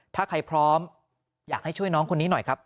ถ้าใครพร้อมอยากให้ช่วยน้องคนนี้หน่อยครับ